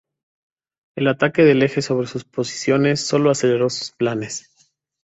El ataque del Eje sobre sus posiciones sólo aceleró sus planes.